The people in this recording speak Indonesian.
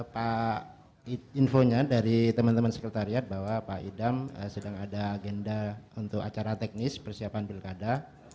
pak infonya dari teman teman sekretariat bahwa pak idam sedang ada agenda untuk acara teknis persiapan pilkada